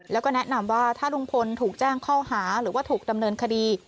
แล้วก็แนะนำว่าถ้าลุงพลถูกแจ้งข้อหาหรือว่าถูกดำเนินคดี